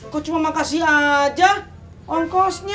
kok cuma makasih aja ongkosnya